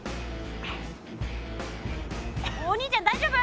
お兄ちゃん大丈夫？